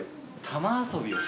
玉遊び？